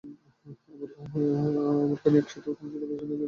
অমরখানায় এক সেতু ধ্বংসের অপারেশনে তিনি আহত হন।